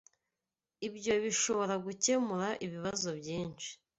Ibyo bishobora gukemura ibibazo byinshi.